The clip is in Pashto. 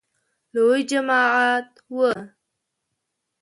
لوی جماعت و .